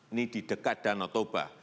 ini di dekat danau toba